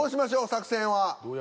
作戦は。